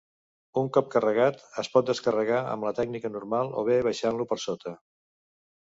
Un cop carregat, es pot descarregar amb la tècnica normal o bé baixant-lo per sota.